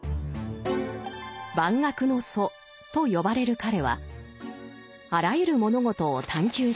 「万学の祖」と呼ばれる彼はあらゆる物事を探求しました。